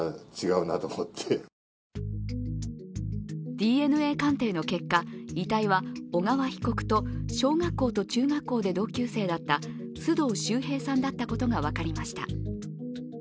ＤＮＡ鑑定の結果、遺体は小川被告と小学校と中学校で同級生だった須藤秀平さんだったことが分かりました。